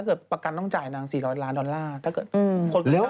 เกิดอะไรขึ้นจริงเค้ารู้อยู่คนนี้